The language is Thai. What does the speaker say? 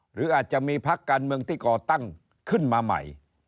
หรืออาจจะมีพักการเมืองที่ก่อตั้งขึ้นมาใหม่